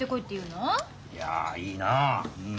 いやいいなあうん。